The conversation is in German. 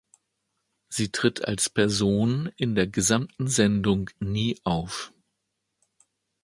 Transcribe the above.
Sie tritt als Person in der gesamten Sendung nie auf.